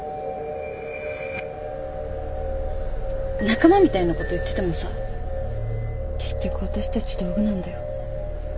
仲間みたいなこと言っててもさ結局私たち道具なんだよ。